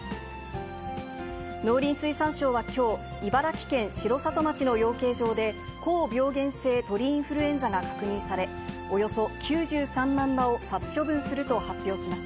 農林水産省はきょう、茨城県城里町の養鶏場で、高病原性鳥インフルエンザが確認され、およそ９３万羽を殺処分すると発表しました。